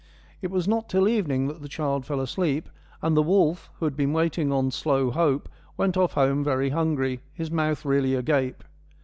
It was not till evening that the child fell asleep, and the wolf, who had been waiting on slow hope, went off home very hungry, his mouth really agape.